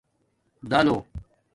دالݸ